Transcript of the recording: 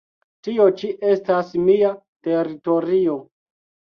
Tio ĉi estas mia teritorio".